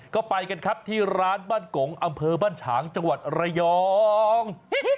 ก็ไปกันครับที่ร้านบ้านกงอำเภอบ้านฉางจังหวัดระยอง